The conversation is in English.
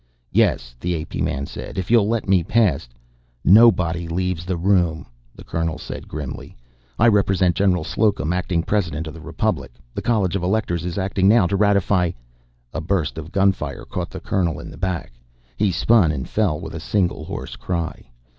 "Yes," the A.P. man said. "If you'll let me past " "Nobody leaves the room," the colonel said grimly. "I represent General Slocum, Acting President of the Republic. The College of Electors is acting now to ratify " A burst of gunfire caught the colonel in the back; he spun and fell, with a single hoarse cry.